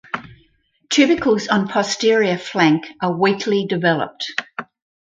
Tubercles on posterior flank are weakly developed.